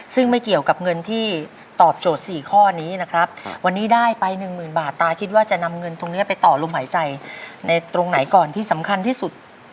ซึ่งไม่เกี่ยวกับเงินที่ตอบโจทย์๔ข้อนี้นะครับวันนี้ได้ไปหนึ่งหมื่นบาทตาคิดว่าจะนำเงินตรงนี้ไปต่อลมหายใจในตรงไหนก่อนที่สำคัญที่สุด